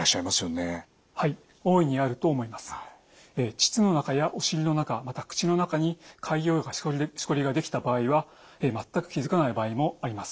膣の中やお尻の中また口の中に潰瘍とかしこりができた場合は全く気付かない場合もあります。